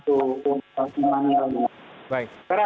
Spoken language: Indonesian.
atau simpan yang lain